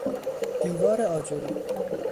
دیوار آجری